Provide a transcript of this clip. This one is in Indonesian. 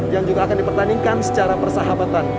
yang juga akan dipertandingkan secara persahabatan